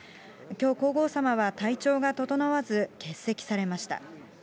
きょう皇后さまは体調が整わず、欠席されました。